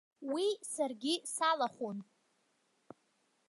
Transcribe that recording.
Уи саргьы салахәын.